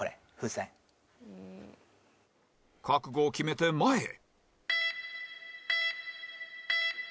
覚悟を決めて前へ